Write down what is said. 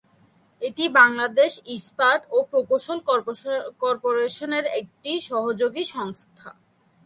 এটি বাংলাদেশ ইস্পাত ও প্রকৌশল কর্পোরেশনের একটি সহযোগী সংস্থা।